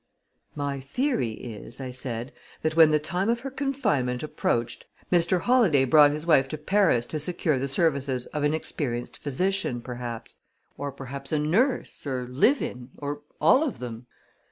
"My theory is," I said, "that when the time of her confinement approached, Mr. Holladay brought his wife to Paris to secure the services of an experienced physician, perhaps; or perhaps a nurse, or linen, or all of them.